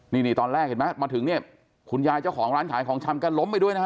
นี่นี่ตอนแรกเห็นไหมมาถึงเนี่ยคุณยายเจ้าของร้านขายของชำก็ล้มไปด้วยนะฮะ